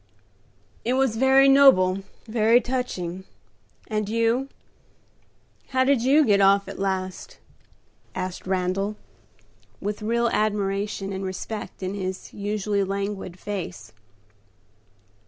"It was very noble, very touching. And you? how did you get off at last?" asked Randal, with real admiration and respect in his usually languid face.